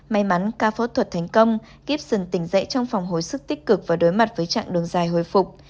may mắn ca phẫu thuật thành công gibson tỉnh dậy trong phòng hồi sức tích cực và đối mặt với trạng đường dài hồi phục